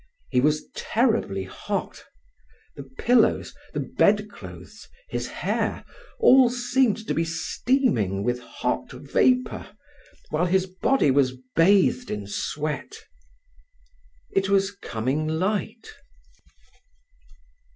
He was terribly hot. The pillow, the bedclothes, his hair, all seemed to be steaming with hot vapour, whilst his body was bathed in sweat. It was coming light.